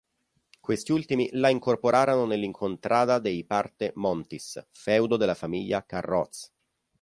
Questi ultimi la incorporarono nell'Incontrada dei Parte Montis, feudo della famiglia Carroz.